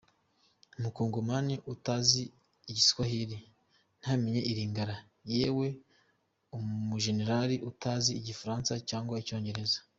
Umukongomani utazi igiswahili, ntamenye ilingala, yewe umujenerali utazi igifaransa cyangwa icyongereza?